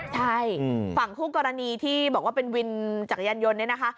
ใช่ฝั่งคู่กรณีที่บอกว่าเป็นวินจักรยานยนต์เนี่ยนะคะ